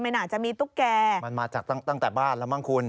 มันอาจจะมีตุ๊กแก่มันมาจากตั้งแต่บ้านแล้วมั้งคุณ